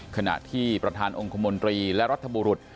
ขณะที่ประธานองค์คมนตรีและรัฐบุรุษ